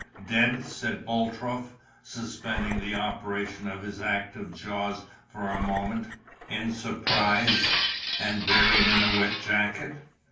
"Dead!" said Boltrope, suspending the operation of his active jaws for a moment, in surprise; "and buried in a wet jacket!